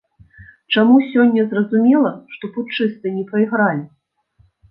Чаму сёння зразумела, што путчысты не прайгралі?